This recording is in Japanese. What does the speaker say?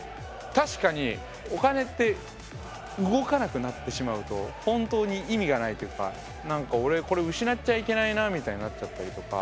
確かにお金って動かなくなってしまうと本当に意味がないというかなんか俺これ失っちゃいけないなみたいになっちゃったりとか。